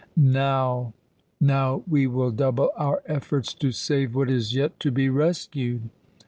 "Now we will double our efforts to save what is yet to be rescued!"